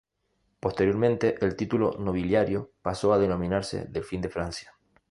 Posteriormente el título nobiliario paso a denominarse "delfín de Francia".